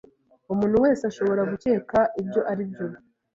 Umuntu wese ashobora gukeka ibyo aribyo?